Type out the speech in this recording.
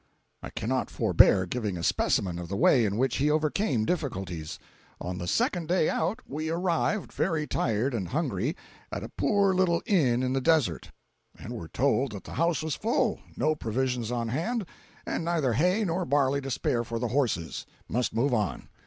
I cannot forbear giving a specimen of the way in which he overcame difficulties. On the second day out, we arrived, very tired and hungry, at a poor little inn in the desert, and were told that the house was full, no provisions on hand, and neither hay nor barley to spare for the horses—must move on.